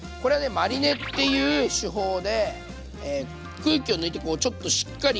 マリネっていう手法で空気を抜いてちょっとしっかり